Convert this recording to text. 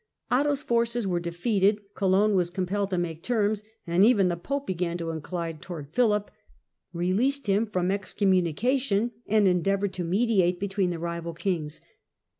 Otto's forces were defeated, Cologne was compelled to make terms, and even the Pope began to incline towards Philip, released him from excommunica tion, and endeavoured to mediate between the rival kings.